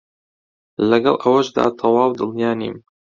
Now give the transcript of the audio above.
لەگەڵ ئەوەشدا تەواو دڵنیا نیم